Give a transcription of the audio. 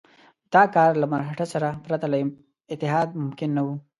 دا کار له مرهټه سره پرته له اتحاد ممکن نه وو.